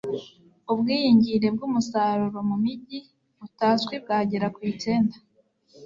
ubwiyingere bw'umusaruro mu mijyi butazwi bwagera ku icyenda